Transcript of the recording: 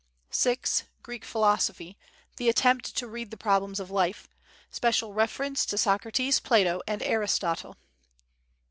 6. Greek philosophy. The attempt to read the problems of life. Special reference to Socrates, Plato and Aristotle.